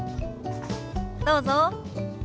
どうぞ。